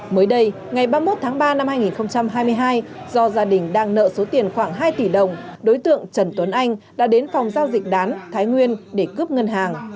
mới đây ngày ba mươi một tháng ba năm hai nghìn hai mươi hai do gia đình đang nợ số tiền khoảng hai tỷ đồng đối tượng trần tuấn anh đã đến phòng giao dịch đán thái nguyên để cướp ngân hàng